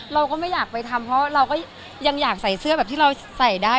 เราก็ไม่อยากไปทำเพราะเราก็ยังอยากใส่เสื้อแบบที่เราใส่ได้